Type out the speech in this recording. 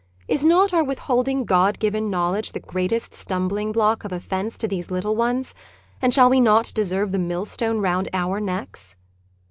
Is not our with holding God given knowledge the greatest stumbling block of offence to these little ones, and shall we not deserve the millstone round our necks?